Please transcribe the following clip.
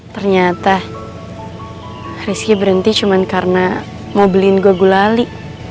ternyata rizky berhenti cuma karena mau beliin gua gulali